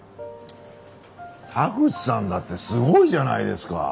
田口さんだってすごいじゃないですか！